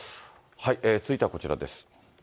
続いてはこちらです。